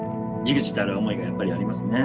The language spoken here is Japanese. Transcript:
忸怩たる思いがやっぱりありますね。